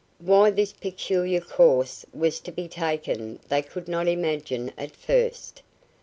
Why this peculiar course was to be taken they could not imagine at first.